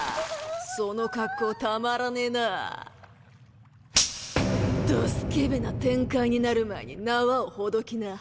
その格好たまらねぇな・どスケベな展開になる前に縄をほどきな。